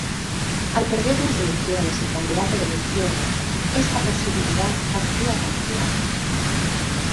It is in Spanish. Al perder las elecciones el candidato de la izquierda esta posibilidad parecía cancelada.